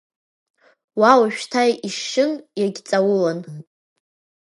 Уа ожәшьҭа ишьшьын, иагьҵаулан.